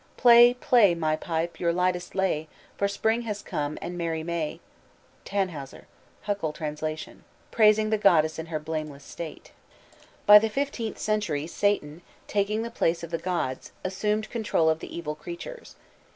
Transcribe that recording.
Play, play, my pipe, your lightest lay, For spring has come, and merry May!" Tannhäuser. (Huckel trans.) praising the goddess in her blameless state. By the fifteenth century Satan, taking the place of the gods, assumed control of the evil creatures.